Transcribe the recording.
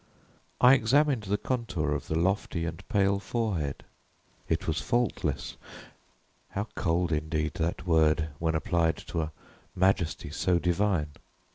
I examined the contour of the lofty and pale forehead it was faultless how cold indeed that word when applied to a majesty so divine!